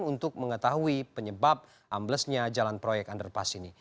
untuk mengetahui penyebab amblesnya jalan proyek underpass ini